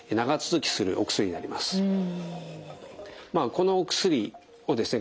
このお薬をですね